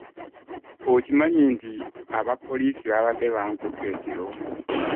Okimanyi nti aba poliisi babadde bankute ekiro.